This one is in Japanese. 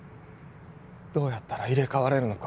どうやったら入れ替われるのか